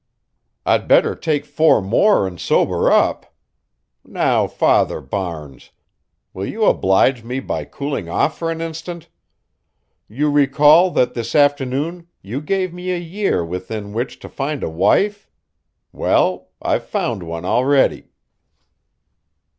I'd better take four more and sober up? Now, Father Barnes, will you oblige me by cooling off for an instant? You recall that this afternoon you gave me a year within which to find a wife. Well, I've found one already.